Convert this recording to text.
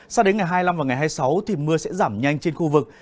sao đến ngày hai mươi năm và ngày hai mươi sáu thì mưa sẽ giảm nhanh trên khu vực